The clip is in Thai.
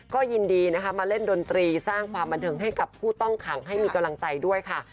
ก็ยินดีนะคะมาเล่นดนตรีสร้างความบันเทิงให้กับผู้ต้องขังให้มีกำลังใจด้วยค่ะ